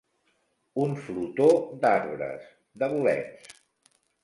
Un flotó d'arbres, de bolets.